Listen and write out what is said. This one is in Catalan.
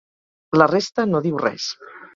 La resta no diu res.